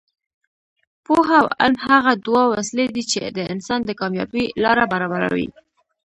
پوهه او علم هغه دوه وسلې دي چې د انسان د کامیابۍ لاره برابروي.